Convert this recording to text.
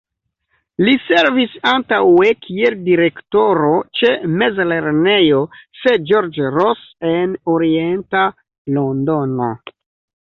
Li servis antaŭe kiel Direktoro ĉe Mezlernejo Sir George Ross en orienta Londono.